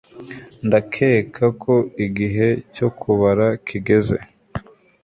ndakeka ko igihe cyo kubara kigeze